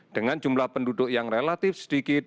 dengan jumlah penduduk yang relatif sedikit